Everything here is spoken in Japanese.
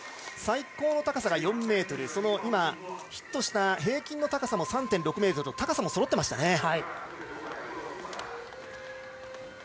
最高の高さが４ｍ今、ヒットした平均の高さも３．６ｍと高さもそろってましたね。